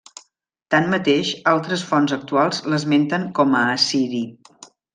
Tanmateix, altres fonts actuals l'esmenten com a assiri.